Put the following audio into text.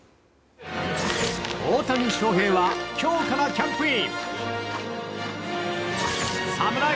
大谷翔平は今日からキャンプイン。